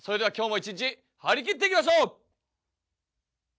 今日も一日、張り切っていきましょう！